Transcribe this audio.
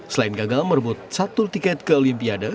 selain gagal merebut satu tiket ke olimpiade